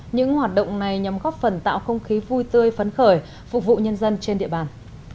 những hoạt động này nhằm góp phần tạo không khí vui tươi phấn khởi phục vụ nhân dân trên địa bàn